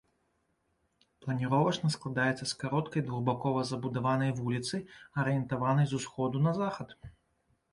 Планіровачна складаецца з кароткай двухбакова забудаванай вуліцы, арыентаванай з усходу на захад.